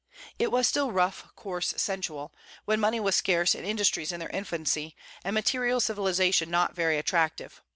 It was still rough, coarse, sensual; when money was scarce and industries in their infancy, and material civilization not very attractive.